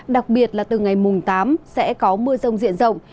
đặc biệt là từ ngày mùng tám sẽ có mưa rông diện rộng